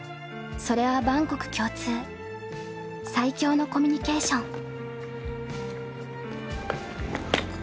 それは万国共通最強のコミュニケーション。